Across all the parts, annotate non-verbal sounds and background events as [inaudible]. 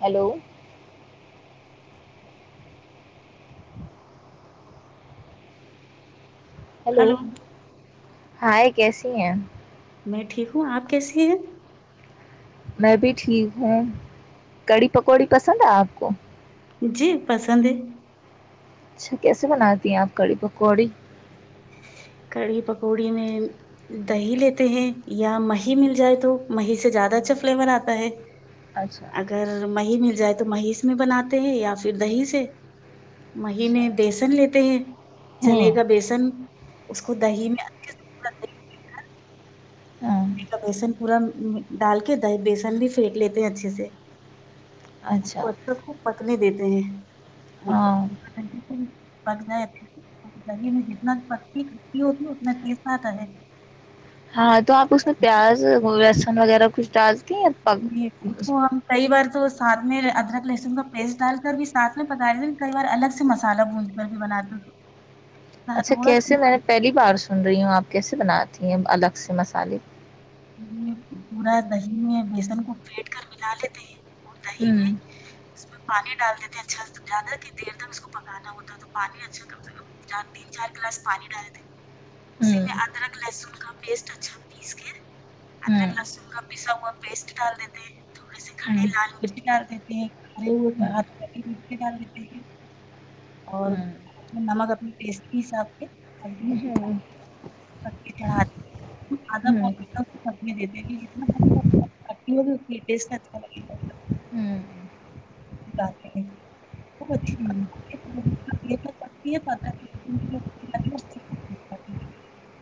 Hello hello hello hi کیسی ہیں میں ٹھیک ہوں اپ کیسی ہیں میں بھی ٹھیک ہوں کڑی پکوڑی پسند ہے اپ کو جی پسند ہے اچھا کیسے بناتی ہیں اپ گاڑی پکوڑی کڑی پکوڑی میں دہی لیتے ہیں یا مہی مل جائے تو ماہی سے زیادہ اچھا فلیم بناتا ہے اچھا اگر مئی میں جائے تو مہیش میں بناتے ہیں یا پھر دہی سے اچھا مہینے بیسن لیتے ہیں چنے ہوں کا بیسن اس کو دہی میں ہاں پورا ڈال کے بیسن بھی فیک لیتے ہیں اچھے سے اچھا کو پت نہیں دینا ہاں سے پک جائے اچھے سے، تو دہی میں جتنا پتی کھٹی ہوتی ہے اتنا تیز نہ رہے ہاں تو آپ اس میں پیازس وغیرہ کچھ ڈا ج تو ہم کئی بار تو سھ میں ادرک لہسن کا پیسٹ ڈال کر بھی ساتھ میں پکا دی کئی بار الگ سے مسالہ بونج کر بھی بنا د اچھا کیسے میں نے پہلی بار سن رہی ہوں آپ کیسے بناتی ہیں الگ سے مسالے پورا دہی میں بیسن کو پٹ کر ملا لیتے ہیں اور دہی میں ہوں اس میں پانی ڈال دیتے ہیں اچھا زیادہ کی دیر تک اس کو پکانا ہوتا ہے تو پانی اچھا کم سے تین چار گلاس پانی ڈال دیتے ہیں اسی ہوں میں ادرک لہسن کا پیسٹ اچھا پیس کے [unintelligible] ہوں ادرک لہسن کا پیسا ہوا پیسٹ ڈال دیتے ہیں تھوڑے سے کھڑے ہوں لال مرچ ڈال دیتے ہیں ہوں ک ہ مچ ڈال دیتے ہیں اور ہوں نمک اپنے ٹیسٹ کے حساب سے ہوں ہوں ہوں [unintelligible]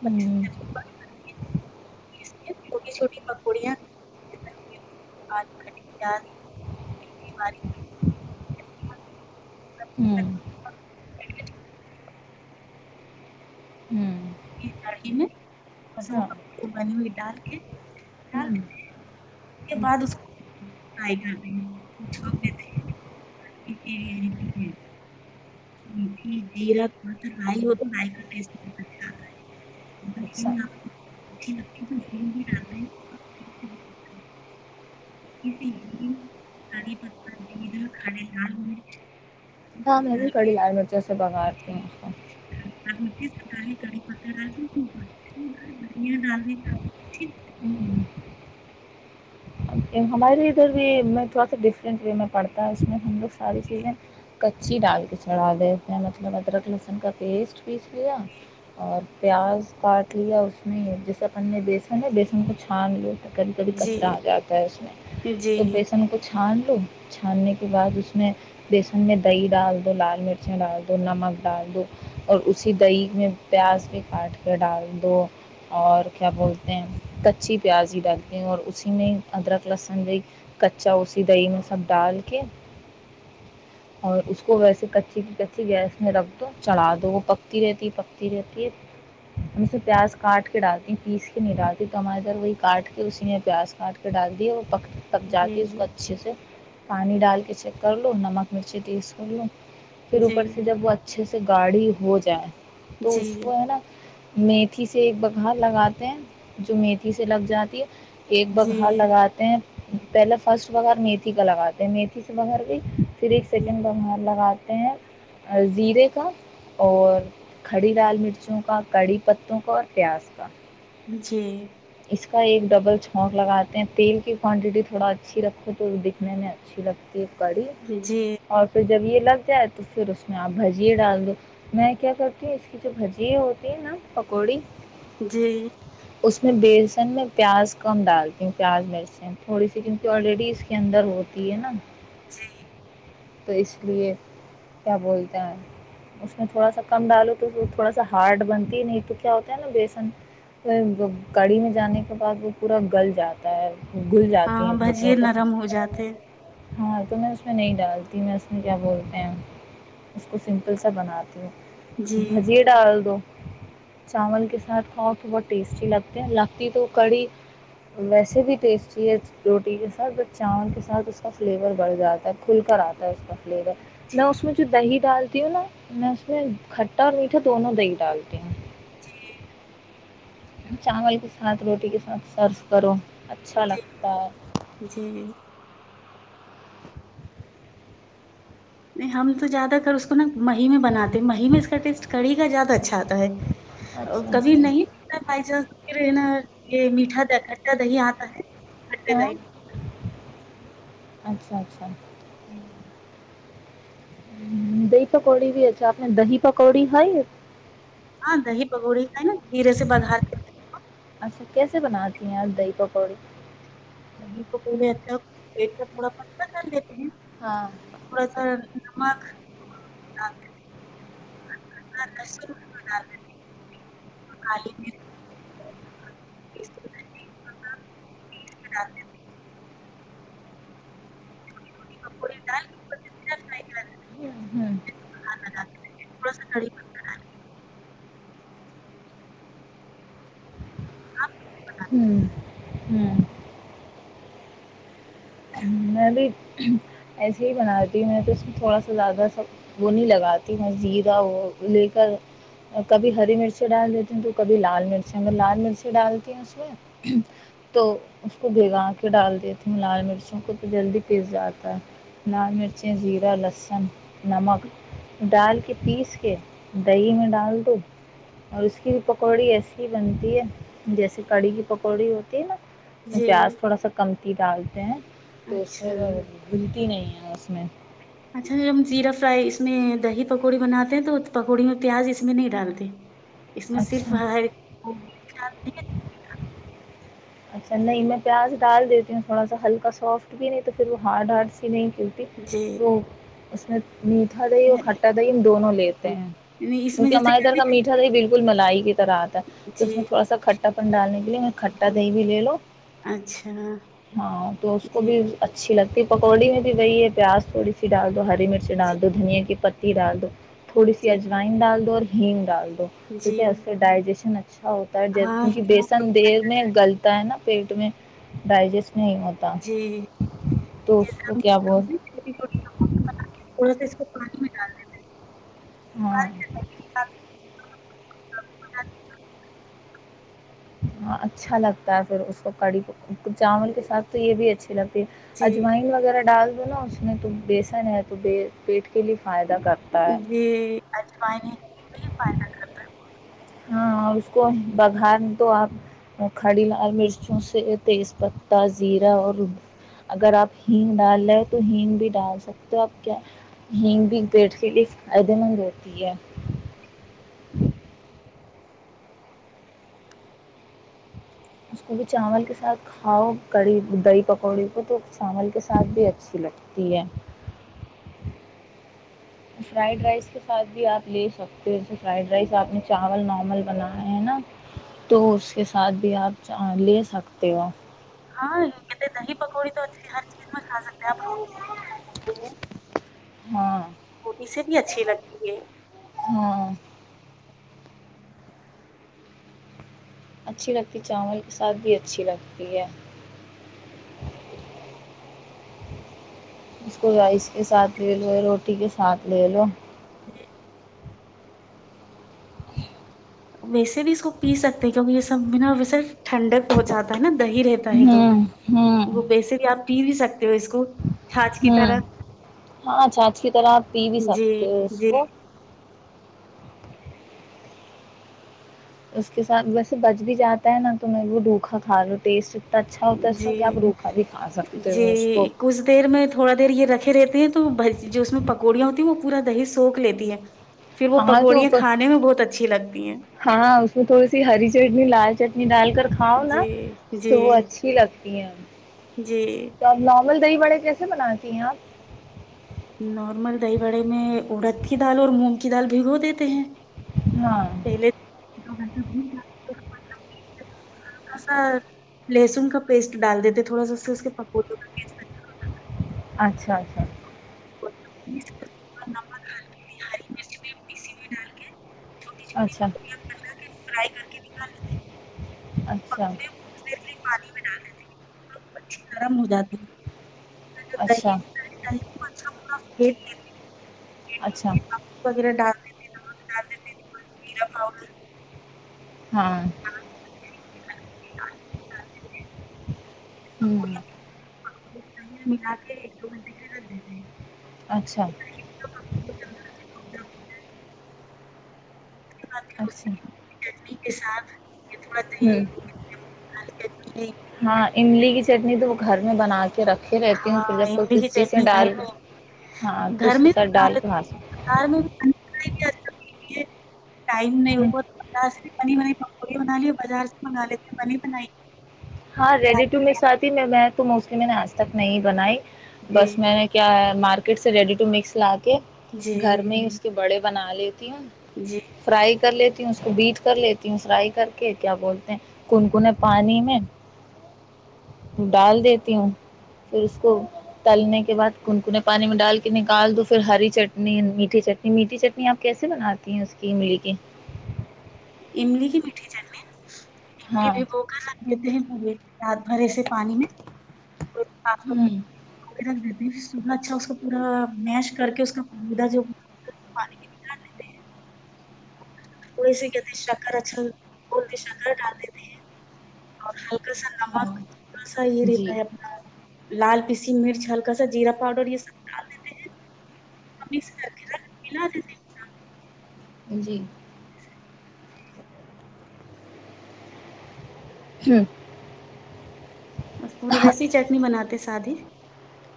ہوں چھوٹی چھوٹی پکوڑیاں آد دال آ ہوں ہوں ہوں ی ہاں میںے بنی ہوئی ڈال کے ڈال ہوں بعد اس فائی کر دیںے جی اچھا ج [unintelligible] کی پتر بید کھالے لال یہ ہاں سب میں بھی ڈال کڑی لال مرچوں سے پگااتتی ہوں تڑ پ ل [unintelligible] ہمارے ادھر بھی میں تھوڑا سا ڈفرینٹ وے میں پڑھتا ہے اس میں ہم لوگ ساری چیزیں کچی ڈال کے چڑھا دی ہیں مطلب ادرک لہسن کا پیسٹ پیس لیا اور پیاز کاٹ لیا اس میں جیسے اپن نے بیسن ہے بیسن کو چھان لیا کبھی کبھی جی کچرا آ جیا اس میں جی تو بیسن کچھ چھان دو چھاننے کے بعد اس میں بیسن میں دہی ڈال دو لال مرچیں ڈال دو نمک ڈال دو اور اسی دہی میں پیاز بھیہ کاٹ کے ڈال دو اور کیا بولتے ہیں کچی پیاز ہی ڈالتے اور اسی میں ادرک لہسنی کچا اسی دہی میں سب ڈال کے اور اس کو ویسے کچی کچی گیس میں رکھ دو چڑھا دو وہ پکتی رہتی ہے پکتی رہتی ہے ہم اسے پیاز کاٹ کے ڈالتی ہیں پیس کے نہیں ڈالتی تو ہماراری ادھر وہی کاٹ کے اسی میں پیاز کاٹ کے ڈال دی ہے وہ پکا تب جی جاتی اس کو جی اچھے سے پانی ڈال کے چیک کر لو نمک مرچی تیس کر لو پھر جی اوپر سے جب وہ اچھے سے گاڑی ہو جائے تو اسو ہے نا میتھی سے ایک بگھار لگاتے ہیں جو میھی سے لگ جاتی ہے ایک بگ گا جی لگاتے ہیں پہلے فرسٹ بغیر میھی کا لگاتے ہیں میھی سے بغیر بھی پھر ایک جی سیکنڈ بن لگات ہیں زیرے کا اور کھڑی لال مرچوں کا کڑی پتوں کا اور پیاز کا جی اس کا ایک ڈبل چھونک لگاتے ہیں تیل کی کوانٹٹی تھوڑا اچھی رکھو تو دکھنے میں اچھی لگتی جی ہے [unintelligible] جب یلگیا ہے تو پھر اس میں بھیجئے ڈال دو میں کیا کرتی ہو اسکے جگہ جو بھج جئے ہوتے ہیں نہ پکودی جی اس بیسن میں پیاس کم ڈالتی ہو پیاس ویسے تھوڑی سی الریڈی ہوتی ہے نہ تو اسلئے کیا بولتے ہیں اس میں تھوڑا سا کم ڈالو تو تھوڑا سا ہارڈ بنتی ہے بھی تو کیا ہوتا ہیں نہ بیسن کڑھائی میں جانے کے بعد پورا گل جاتا ہے گھل ہا جاتی بھیجئے نرم ہو جاتے ہے میں تو نہیں نہ اسمے ڈالتی میں اسمے کیا بولتے ہے اسکو سیمپل سا بناتی جی بھیجئے ڈال دو چاول کے ساتھ کھاؤ تو بہت تسٹی لگ تے ہے اور لگتی تو کڑی ویسے بھی بھی تستی روٹی کے ساتھ چاول کے ساتھ اسکا فلاور دھ جاتا ہے کھیل کر آتا ہے اسکے ساتھ میں اسمے جو دہی ڈالتی ہونا خطہ میٹھا دونوں دہی ڈالتی ہو چاول کے ساتھ روٹی کے ساتھ ساتھ سرو کرو اچھا لگتا ہے جی ہم تو زیاداتر اسکو نہ محی میں بناتے ہے محی میں اسکا ٹیسٹ کڑی کا زیادہ اچھا آتا ہے اچھا اچھا کھاتہ دہی آتا ہے ہاں [unintelligible] اچھا اچھا [unintelligible] دہی پکوڑی اچھا اپنے دہی پکوڈی لکھائی ہے ہا دہی پکوڈی کھائی ہے جیرے سے بغار دیتے ہے اچھا کیسے بناتی ہے دہی پکوڈی دہی پکوڑی مطلب ایک پتلا کر لیتے ہیں ہا تھوڑا سا نمک ڈال دیتے ادرک لہسن بھی ڈال دیتی اور کالی مرچ پیش کے ڈال دیتی ہو [unintelligible] تھوڑا سا [unintelligible] کڑی پتہ ڈال کے ہم ہم میں بھی ایسے ہے بناتی ہو اسمے تھوڑا سا زیادہ وں نہیں لگتی اور زیرہ کبھی ہری مرچ ڈاک ڈال دیتی ہو تو کبھی لال لال مرچے ڈالتی ہو تو اسمے اسکو بھگا کر ڈال دیتی ہو جلدی پس جاتا ہے لال مرچی زیرہ لہسن نمک ڈال کے پیس کے دہی میں ڈال دو اور اسکی بھی پکوڈی ایسی ہی بنتی ہیں جیسے کڈی کی پکوڈی ہوتی ہیں نا اس میں جی پیاز تھوڑا سا کم ڈالتے ہیں اچھا گمتی نہی ہیں بس [unintelligible] اچھا ہم صرف اس میں دہخ پکوڈے بناتے ہیں تو پکوڈی میں اس میں پیاز نہی ڈالتے اچھا [unintelligible] اچھا نہیں میں پیاز ڈال دیتی ہوںتھوڈا سا ہلکا سوفٹ بھی نی تو پھر وہ ہارڈ ہارڈ سی نئ جی [unintelligible] [unintelligible] میٹھا دہی اور نہیں کھٹا دہی ہم دونوں لیتے ہیں اس میں کیونکہ جیسے ہمارے گھر کہ کا جی میٹھا دہی بلکل ملائ رات اس میں تھوڈا سا کھٹا پن ڈالنے کے لیے جی دہی بھی لیلو اچھا ہاں تو اس کو جی بھی اچھی لگ یے پکوڈی ہے کہ دہی پیاز تھوڈی سی ڈال دو ہری مرچ جی ڈال دو دنھیا کی گھی ڈال دو تھوڈی سی جی اجواین ڈال دو اور [unintelligible] جی کیونکہ اس سے ڈایجشن اچھا ہوتا ہیں ہاں کیونکہ بیسن دیر میں ملتا ہینا پیٹ میں ڈایجشن نی ہوتا جی تو اس جیسے کو ہم کیا بول تھوڑا سا اس کو پانی میں ڈال ہاں [unintelligible] ہاں اچھا لگتا ہے پھر اس کو چاول کے دیں، ساتھ تو یہ بھی اچھے لگتے ہیں جی اجواین وغیرہ ڈال اس میں تو بیسن ہیں تو بے بیٹھ جی اجواین ہی فایدا کرتا ہیں بہت ہاں اس کو تو آپ بگار تو کھڈی لال مرچ سے تیز پتتا زیرا اور اگر آپ ہین ڈالیے تو ہین بھی ڈال سکتے ہو تو ہین بھی گریٹس کے لیے فایدے مند ہوتی ہے اس کو بھی چاول کے ساتھ کھاؤ کڈی دہی پکوڈے کو تو چاول کے ساتھ بھی اچھی لگتی ہیں فرایڈ رایس کے ساتھ بھی آپ لیے سکتے ہو فرایڈ رایس اپنے چاول نورمل بنانا ہینا تو اس کے ساتھ بھی آپ چاول لیے سکتے ہو ہاں کہت دہ پکوڑ تو ا ہر چیز میں خا جتا [unintelligible] ہاں تھوٹیی سے بھی اچھی لگتی ہے ہاں اچھی لگتی چاول کے ساتھ بھی اچھی لگتی ہے اس کو رائس کے ساتھ لے لو روٹی کے ساتھ لے لو ج ج [inaudible] بس بھی اس کو پی سکتے ہیں کیونکہ یہ سبنابسر [unintelligible] ٹھنڈک پہنچاتا ہے نا دہی رہتا ہے تو ہوں وہ بیسک آپ پی بھی سکتے ہو اس کو چھاچھ کی ہ طرح ہاں چھاچ کی طرح آپ پی بھی جی سکتے ہو اس جی کو اس کے ساتھ ویسے بچ بھی جاتا ہے نا تو میں وہ ڈھوکا کھ لو ٹیسٹ اتنا اچھا ہوتا ہے اس کا جی کہ آپ روکھا بھی کھا سکتے جی ہو اس کو کچھ دیر میں تھوڑا دیر یہ رکھے رہتے ہیں تو جو اس میں پکوڑیاں ہوتی وہ پورا دہی سوکھ لیتی ہے پھر وہ ہاں تو پکوڑیاں اپر کھانے میں بہت اچھی لگتی ہیں ہاں اس میں تھوڑی سی ہری چٹنی لال [unintelligible] کھاؤ جی نا جی تو وہ اچھی لگتی ہے جی کل دہی بڑے کیسے بناتی ہیں آپ نارمل دہی بڑے میں اڑد کی دال اور مونگ کی دال بھگو دیتے ہیں ہاں [unintelligible] تھوڑا سا لہسن کا پیسٹ ڈال دیتے تھوڑا سا سے اس کے پپوتےوں کا پ اچھا اچھا [inaudible] ہلدی ہری مرچ بھی پیسی ہوئی ڈال کے چھوٹی چھوٹی اچھا پکڑیاں بنا کے فرائی کر کے نکال لیتے ہیں اچھا پکوڑے گرم ہو جاتی ہے دہی اچھا ہوتا ہے دہی کو اچھا پورا [unintelligible] اچھا [unintelligible] ہاں [inaudible] [inaudible] [inaudible] اچھا تو ہم لوگ [inaudible] کھاتے ہیں، اس اچھا کی املی کی چٹنی کے ساتھ کا ہوں ہاں املی کی چٹنی تو وہ گھر میں بنا کے رکھ ہاں املی کی چٹنی گھر میں ہاں تو گھر اس کے میں بھی ساتھ بنا ڈال کے کھا سکتے لیتے میں بھی ٹم نہیں ا ہیں بت کرتا پ بن پکوڑی بنا لیے بازار سے منگا لیتے بنی بنائی ہاں کے رڈی ٹ ڈال۔ میرے سات ہی میں میں ت کہ میں نے آج تک نہیں بنائی جی بس میں نے کیا ہے مارکیٹ س ریڈی و مکس لات جی گھر میں ہی اس کے بڑے بنا لیے جی فرائی کر لیتی ہوں اس کو بیٹ کر لیتی ہوں فرائی کر کے کیا بولتے ہیں کنکن پانی میں ڈال دیتی ہوں پھر اس کو تلنے کے بعد کنکنے پانی میں ڈال کے نکال دو پھر ہری چٹنی میٹھی چٹنی میٹھی چٹنی آپ کیسے بناتی ہیں اس کی ملی کے املی کی میٹھی چٹنی ہاں م بھو ک آگتے رات بھرے سے پانی میں ہ سنا اچھا اس کا پورا میش کر کے اس کاا جو پانی کے نکال لیتے ہیں تھڑے سے کہتے شکر اچھا بول کے شکر ڈالتے تھے اور ہلک کیسا ہاں نمک کیسا یہ جی رہیتا ہے اپنا لال پیسی مرچ ہلکا سا جیرا پاؤڈر یہ سب ڈال دیتے ہیں اور مکس کر کے ر ملا دیتے ہیں جی چھ بس پورا ویسے ہی چٹنی بناتے سادی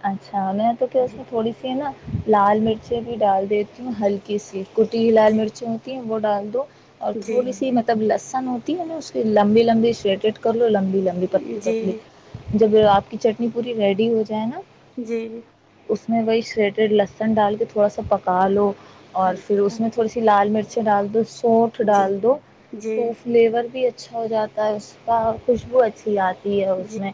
اچھا میں تو کیا اس جی میں تھوڑی سی ہے نا لال مرچیں بھی ڈال دیتی ہوں ہلکی سی کٹی لال مرچیں ہوتی ہیں بڈا دو اور تھوڑی جی سی مطلب لس ہوتی ہے ن اس کی لمبی لمبی سویٹرٹ کر لو لمبی لبی لمبی پتلی جی جی پتلی جب آپ کی چٹنی پوری ریڈی ہو جائے نا جیی اس میں وہی سلیٹڈ لہسن ڈال کے تھوڑا سا پکا لو ا اور پھر اچھا اس میں تھوڑی سی لال مرچ اسے ڈال دو ووٹ جی ڈال دو جی فلیور بھی ہو جاتا ہے اس کا خوشبو اچھی ا یہ اس میں جی